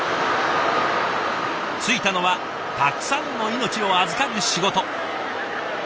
就いたのはたくさんの命を預かる仕事。